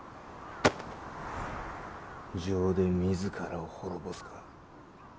情で自らを滅ぼすか？